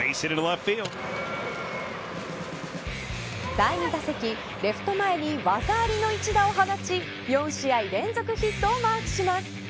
第２打席、レフト前に技ありの１打を放ち４試合連続ヒットをマークします。